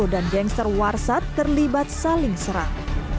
dan gangster warsat terlibat saling serang